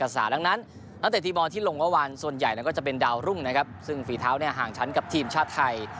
ส่วนใหญ่ก็จะเป็นดาวรุ่งนะครับซึ่งฝีเท้าเนี่ยห่างชั้นกับทีมชาติไทย